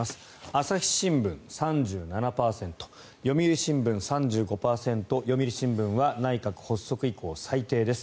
朝日新聞、３７％読売新聞、３５％読売新聞は内閣発足以降最低です。